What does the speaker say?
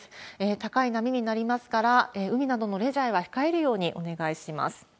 高い波になりますから、海などのレジャーは控えるようにお願いします。